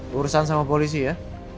berurusan sama polisi ya